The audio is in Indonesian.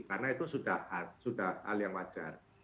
karena itu sudah hal yang wajar